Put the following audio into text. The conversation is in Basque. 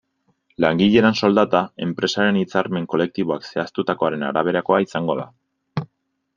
Langilearen soldata, enpresaren hitzarmen kolektiboak zehaztutakoaren araberakoa izango da.